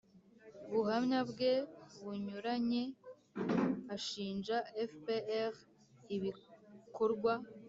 buhamya bwe bunyuranye, ashinja fpr ibikorwa